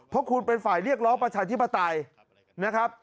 เพราะคุณเป็นฝ่ายเรียกร้องประชาธิปไตยนะครับ